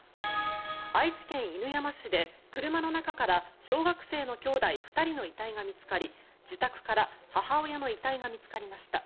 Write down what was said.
愛知県犬山市で車の中から小学生の姉弟２人の遺体が見つかり自宅から母親の遺体が見つかりました。